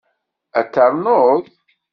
Ad ternuḍ?